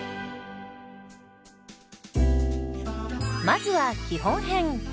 まずは基本編。